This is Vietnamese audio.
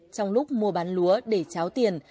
trong lúc mua bán lúa để tráo tiền